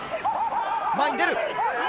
前に出る。